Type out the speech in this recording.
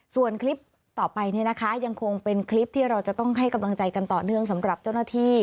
ส่วนคลิปต่อไปเนี่ยนะคะยังคงเป็นคลิปที่เราจะต้องให้กำลังใจกันต่อเนื่องสำหรับเจ้าหน้าที่